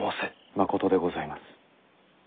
まことでございます。